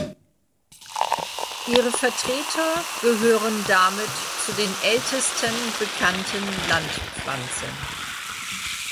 Ihre Vertreter gehören damit zu den ältesten bekannten Landpflanzen.